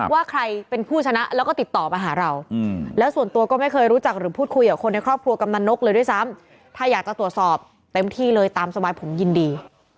ว่าใครเป็นผู้ชนะแล้วก็ติดต่อมาหาเราแล้วส่วนตัวก็ไม่เคยรู้จักหรือพูดคุยกับคนในครอบครัวกำนันนกเลยด้วยซ้ำถ้าอยากจะตรวจสอบเต็มที่เลยตามสบายผมยินดี